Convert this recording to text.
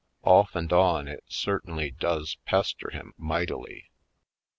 Off and on it certainly does pester him mightily.